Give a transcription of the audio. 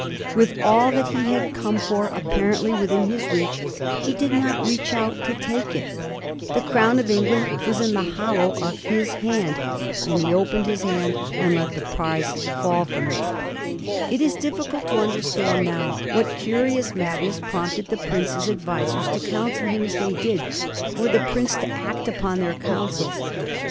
With all that he had come for apparently within his reach, he did not reach out to take it; the crown of Eng land was in the hollow of his hand, and he opened his hand VOL. II. — 10 218 A HISTORY OK THE FOUR GEORGES. ch.xxxt. and let the prize fall from it. It is difficult to understand now what curious madness prompted the prince's advisers to counsel him as they did, or the prince to act upon their counsels.